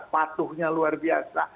patuhnya luar biasa